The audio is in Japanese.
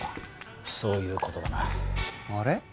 そういうことだなあれ？